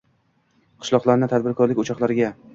– qishloqlarni tadbirkorlik o‘choqlariga